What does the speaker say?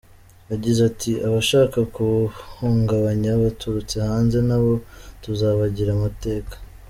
Yagize ati: "Abashaka kuwuhungabanya baturutse hanze nabo tuzabagira amateka.